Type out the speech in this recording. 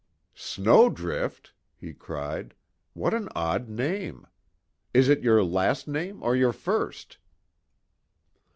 "Snowdrift!" he cried, "what an odd name! Is it your last name or your first?"